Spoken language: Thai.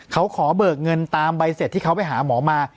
เขาขอเบิกเงินตามใบเสร็จที่เขาไปหาหมอมา